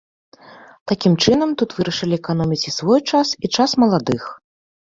Такім чынам тут вырашылі эканоміць і свой час, і час маладых.